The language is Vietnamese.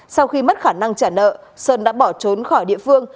sau khi mất khả năng trả nợ sơn đã bỏ trốn khỏi địa phương